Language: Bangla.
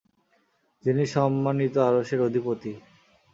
যিনি সম্মানিত আরশের অধিপতি।